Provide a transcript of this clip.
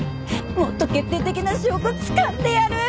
もっと決定的な証拠つかんでやる！